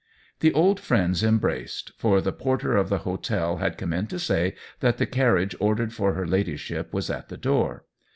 The old friends embraced, for the porter of the hotel had come in to say that the carriage ordered for her ladyship was at the door.